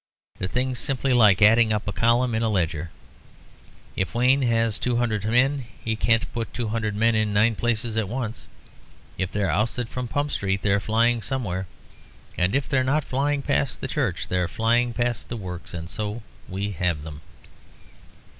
The thing's simply like adding up a column in a ledger. If Wayne has two hundred men, he can't put two hundred men in nine places at once. If they're ousted from Pump Street they're flying somewhere. If they're not flying past the church they're flying past the Works. And so we have them.